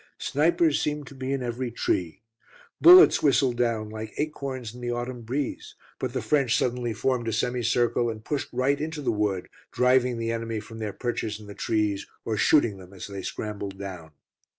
Snipers seemed to be in every tree. Bullets whistled down like acorns in the autumn breeze, but the French suddenly formed a semi circle and pushed right into the wood, driving the enemy from their perches in the trees or shooting them as they scrambled down.